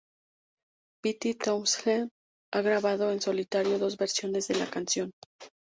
Pete Townshend ha grabado en solitario dos versiones de la canción.